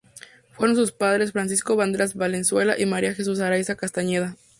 Fueron sus padres: Francisco Banderas Valenzuela y María Jesús Araiza Castañeda.